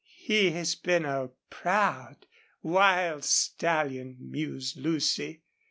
"He has been a proud, wild stallion," mused Lucy.